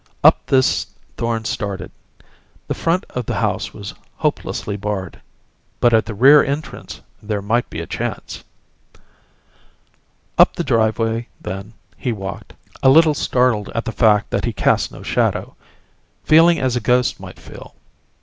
Up this Thorn started. The front of the house was hopelessly barred; but at the rear entrance there might be a chance. Up the driveway, then, he walked, a little startled at the fact that he cast no shadow feeling as a ghost might feel.